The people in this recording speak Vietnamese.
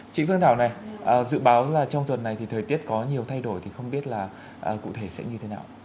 chị phương thảo này dự báo là trong tuần này thì thời tiết có nhiều thay đổi thì không biết là cụ thể sẽ như thế nào